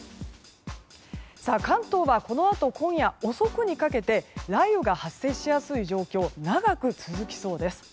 関東はこのあと今夜遅くにかけて雷雨が発生しやすい状況が長く続きそうです。